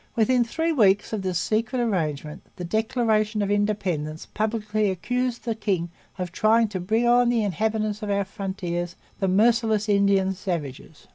Within three weeks of this secret arrangement the Declaration of Independence publicly accused the king of trying 'to bring on the inhabitants of our frontiers the merciless Indian savages.'